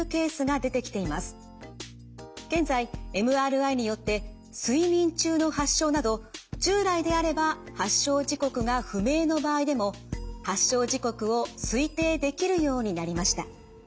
現在ＭＲＩによって睡眠中の発症など従来であれば発症時刻が不明の場合でも発症時刻を推定できるようになりました。